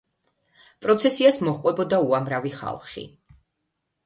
პროცესიას მოჰყვებოდა უამრავი ხალხი.